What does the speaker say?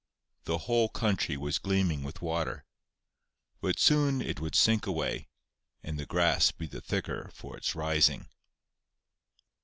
The whole country was gleaming with water. But soon it would sink away, and the grass be the thicker for its rising.